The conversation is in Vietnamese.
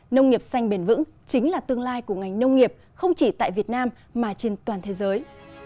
nông nghiệp xanh bền vững chính là tương lai của ngành nông nghiệp không chỉ tại việt nam mà trên toàn thế giới